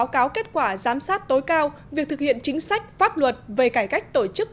cáo kết quả giám sát tối cao việc thực hiện chính sách pháp luật về cải cách tổ chức